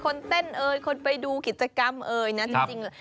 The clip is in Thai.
คนเต้นเอ่ยคนไปดูกิจกรรมเอ่ยนะจริง